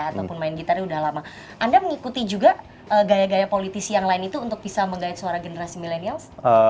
ataupun main gitarnya udah lama anda mengikuti juga gaya gaya politisi yang lain itu untuk bisa menggait suara generasi milenials